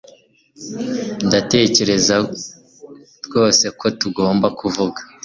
Ndatekereza rwose ko tugomba kuvuga